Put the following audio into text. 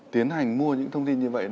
tiến hành mua những thông tin như vậy